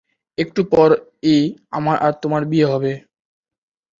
একটু পর ই আমার আর তোমার বিয়ে হবে।"